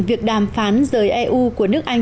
việc đàm phán giới eu của nước anh